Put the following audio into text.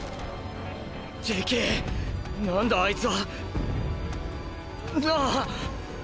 でけぇ何だあいつは。なぁ？